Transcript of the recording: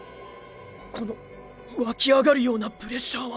この湧き上がるようなプレッシャーは！！